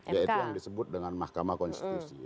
yaitu yang disebut dengan mahkamah konstitusi